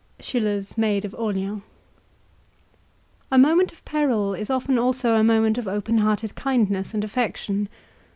SCHILLER'S MAID OF ORLEANS A moment of peril is often also a moment of open hearted kindness and affection.